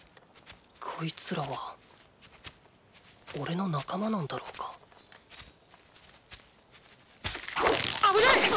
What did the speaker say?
こいつらはおれの仲間なんだろうか危ない！